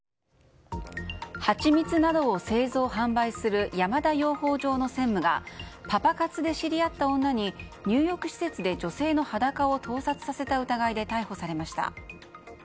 ハチミツなどを製造・販売する山田養蜂場の専務がパパ活で知り合った女に入浴施設で女性の裸を盗撮させた疑いで逮捕されました。